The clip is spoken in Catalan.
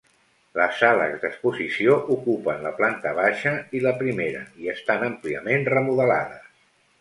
Les sales d'exposició ocupen la planta baixa i la primera, i estan àmpliament remodelades.